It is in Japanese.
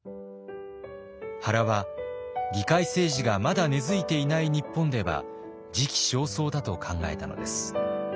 原は議会政治がまだ根づいていない日本では時期尚早だと考えたのです。